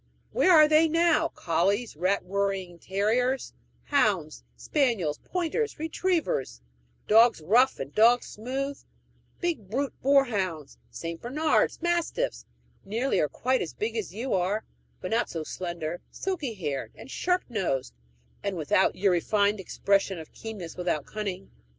Where are they now collies, rat worrying terriers, hounds, spaniels, pointers, retrievers dogs rough and dogs smooth; big brute boarhounds, St. Bernard's, mastiffs, nearly or quite as big as you are, but not so slender, silky haired, and sharp nosed, and without your refined expression of keenness without cunning.